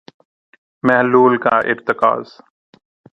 محلول کا ارتکاز